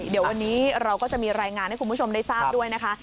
เดี๋ยววันนี้เราก็จะมีรายงานให้คุณผู้ชมได้ทราบด้วยนะคะ